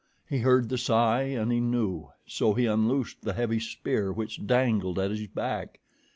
He heard the sigh, and he knew, so he unloosed the heavy spear which dangled at his back.